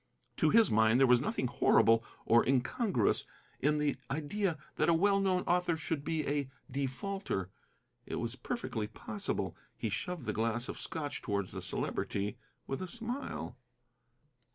To his mind there was nothing horrible or incongruous in the idea that a well known author should be a defaulter. It was perfectly possible. He shoved the glass of Scotch towards the Celebrity, with a smile.